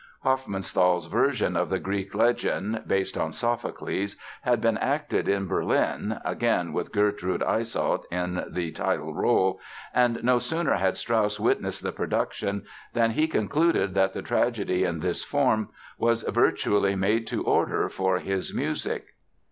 Hofmannsthal's version of the Greek legend (based on Sophocles) had been acted in Berlin (again with Gertrude Eysolt in the title role); and no sooner had Strauss witnessed the production than he concluded that the tragedy in this form was virtually made to order for his music.